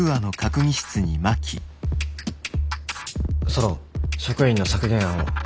ソロン職員の削減案を。